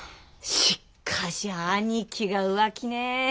しっかし兄貴が浮気ねえ。